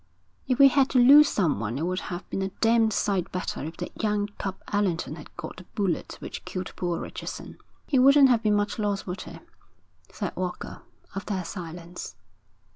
'If we had to lose someone it would have been a damned sight better if that young cub Allerton had got the bullet which killed poor Richardson.' 'He wouldn't have been much loss, would he?' said Walker, after a silence.